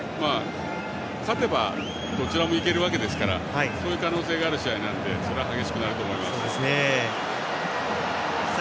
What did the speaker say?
勝てばどちらもいけるわけですからそういう可能性がある試合なのでそれは激しくなると思います。